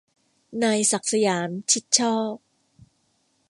นายศักดิ์สยาม ชิดชอบ